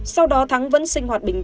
sau đó thắng vẫn sinh hoạt bình tĩnh